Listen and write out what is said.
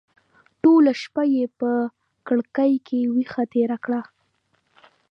ټوله شپه یې په کړکۍ کې ویښه تېره کړه.